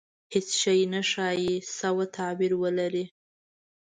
• هېڅ شی نه ښایي، سوء تعبیر ولري.